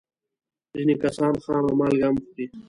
ځینې کسان خامه مالګه هم خوري.